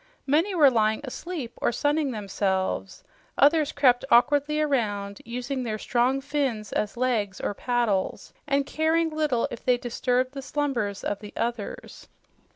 Many were lying asleep or sunning themselves; others crept awkwardly around, using their strong fins as legs or "paddles" and caring little if they disturbed the slumbers of the others.